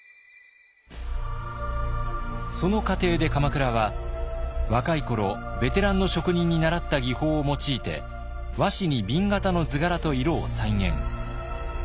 その過程で鎌倉は若い頃ベテランの職人に習った技法を用いて和紙に紅型の図柄と色を再現。